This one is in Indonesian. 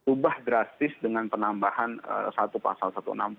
ubah drastis dengan penambahan satu pasal satu ratus enam puluh